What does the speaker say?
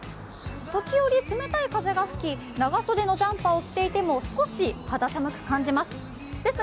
時折冷たい風が吹き、長袖のジャンパーを着ていても少し肌寒く感じます。